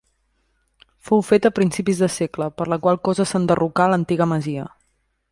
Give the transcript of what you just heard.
Fou feta a principis de segle, per la qual cosa s'enderrocà l'antiga masia.